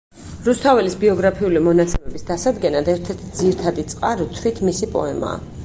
რუსთაველის ბიოგრაფიული მონაცემების დასადგენად ერთ-ერთი ძირითადი წყარო თვით მისი პოემაა.